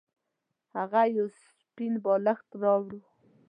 هغه یو سپین بالښت راوړ.